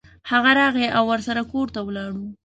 هغه راغی او ورسره کور ته ولاړو.